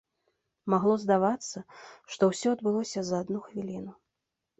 Магло здавацца, што ўсё адбылося за адну хвіліну.